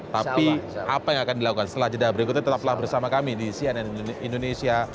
tapi apa yang akan dilakukan setelah jeda berikutnya tetaplah bersama kami di cnn indonesia